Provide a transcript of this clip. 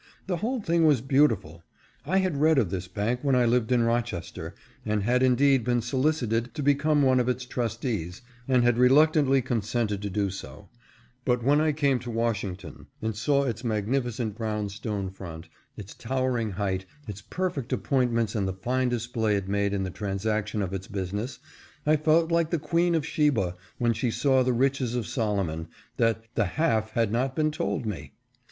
The whole thing was beautiful. I had read of this bank when I lived in Rochester, and had indeed been solicited to become one of its trustees, and had reluctantly consented to do so ; but when I came to Washington and saw its magnificent brown stone front, its towering height, its perfect appointments and the fine display it made in the transaction of its business, I felt like the Queen of Sheba when she saw the riches of Solomon, that "the half had not been told me."